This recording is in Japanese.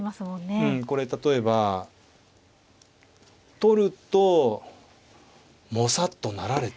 うんこれ例えば取るともさっと成られて。